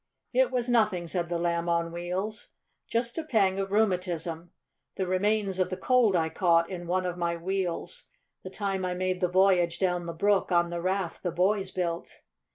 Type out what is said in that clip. "It was nothing," said the Lamb on Wheels. "Just a pang of rheumatism. The remains of the cold I caught in one of my wheels the time I made the voyage down the brook on the raft the boys built."